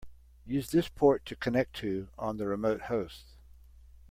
Use this port to connect to on the remote host.